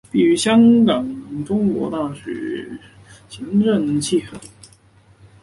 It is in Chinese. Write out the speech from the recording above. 毕业于香港中文大学政治与行政学系。